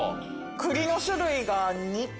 栗の種類が２個。